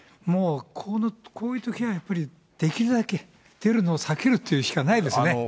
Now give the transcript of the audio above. もうこういうときはやっぱり、できるだけ出るのを避けるというしかないですね。